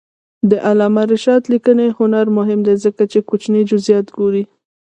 د علامه رشاد لیکنی هنر مهم دی ځکه چې کوچني جزئیات ګوري.